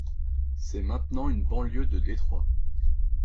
C'est maintenant une banlieue de Détroit.